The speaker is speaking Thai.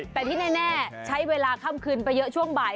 แต่ที่แน่ใช้เวลาค่ำคืนไปเยอะช่วงบ่าย